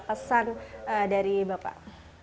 pesan dari bapak